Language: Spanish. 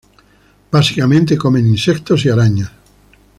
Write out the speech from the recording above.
Básicamente comen insectos y arañas.